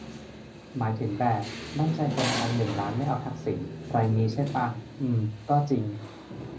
หมายถึงแบบ "มั่นใจคนไทยหนึ่งล้านไม่เอาทักษิณ" ไรงี้ใช่ป่ะ อืม ก็จริง